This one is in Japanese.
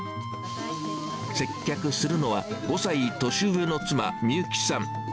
接客するのは、５歳年上の妻、みゆきさん。